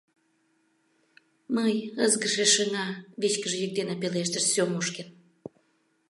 — Мый, ызгыше шыҥа, — вичкыж йӱк дене пелештыш Сёмушкин.